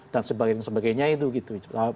dan sebagainya sebagainya itu gitu